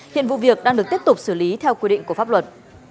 hiện vụ việc đang được tiếp tục xử lý theo quy định của pháp luật